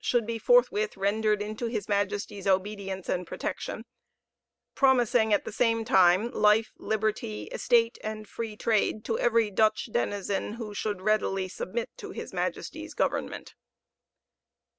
should be forthwith rendered into his majesty's obedience and protection; promising at the same time, life, liberty, estate, and free trade, to every Dutch denizen who should readily submit to his Majesty's government.